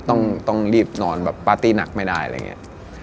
ต้องรีบนอนปาร์ตี้หนักไม่ได้